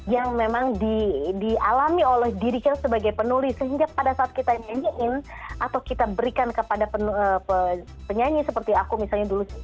yang memang dialami oleh diri kita sebagai penulis sehingga pada saat kita nyanyiin atau kita berikan kepada penyanyi seperti aku misalnya dulu